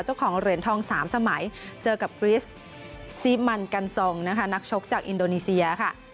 เจ้าของเหรียญทอง๓สมัยเจอกับกริสซีมันกันซองนะคะนักชกจากอินโดนีเซียค่ะ